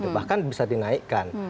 bahkan bisa dinaikkan